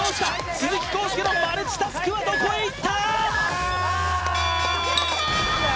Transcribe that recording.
鈴木浩介のマルチタスクはどこへいった！